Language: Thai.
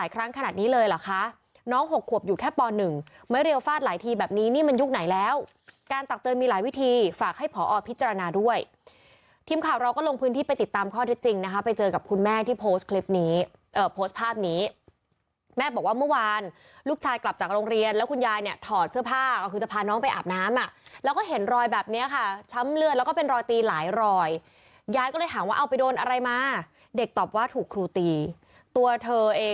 คุณค่ะเราก็ลงพื้นที่ไปติดตามข้อที่จริงนะคะไปเจอกับคุณแม่ที่โพสต์คลิปนี้โพสต์ภาพนี้แม่บอกว่าเมื่อวานลูกชายกลับจากโรงเรียนแล้วคุณยายเนี่ยถอดเสื้อผ้าคือจะพาน้องไปอาบน้ำอ่ะแล้วก็เห็นรอยแบบเนี้ยค่ะช้ำเลือดแล้วก็เป็นรอยตีหลายรอยยายก็เลยถามว่าเอาไปโดนอะไรมาเด็กตอบว่าถูกครูตีตัวเ